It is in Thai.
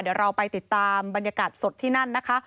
เดี๋ยวเราไปติดตามบรรยากาศสดที่นั่นนะคะ